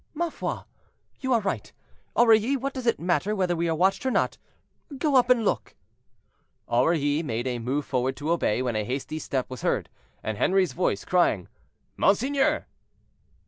"Ma foi! you are right, Aurilly; what does it matter whether we are watched or not? Go up and look." Aurilly made a move forward to obey, when a hasty step was heard, and Henri's voice, crying, "Monseigneur!"